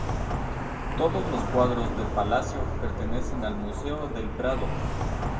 Todos los cuadros del palacio pertenecen al Museo del Prado.